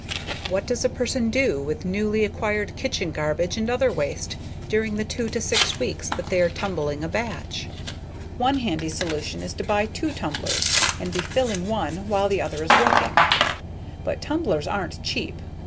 What does a person do with newly acquired kitchen garbage and other waste during the two to six weeks that they are tumbling a batch? One handy solution is to buy two tumblers and be filling one while the other is working, but tumblers aren't cheap!